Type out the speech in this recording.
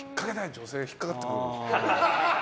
女性が引っかかってくれる。